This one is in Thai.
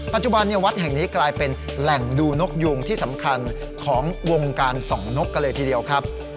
ปัจจุบันวัดแห่งนี้กลายเป็นแหล่งดูนกยูงที่สำคัญของวงการส่องนกกันเลยทีเดียวครับ